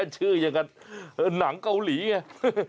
ชื่ออย่างนั้นหนังเกาหลีไง